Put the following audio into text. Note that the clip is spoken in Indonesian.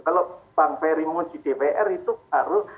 kalau bang ferry mengunci dpr itu harus